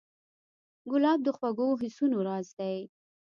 ګلاب د خوږو حسونو راز دی.